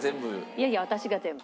いやいや私が全部。